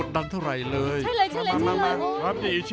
สายการปินสตาร์ทเชฟ